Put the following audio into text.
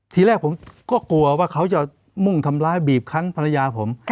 ทีแรกผมก็กลัวว่าเขาจะมุ่งทำร้ายบีบคันภรรยาผม